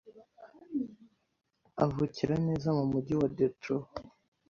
avukira neza mu Mujyi wa Detroit